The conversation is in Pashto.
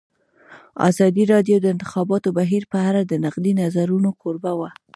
ازادي راډیو د د انتخاباتو بهیر په اړه د نقدي نظرونو کوربه وه.